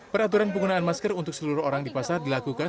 peraturan penggunaan masker untuk seluruh orang di pasar dilakukan